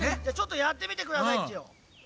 じゃあちょっとやってみてくださいっちよ。